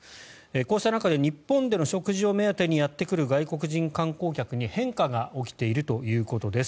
こうした中で日本での食事を目当てにやってくる外国人観光客に変化が起きているということです。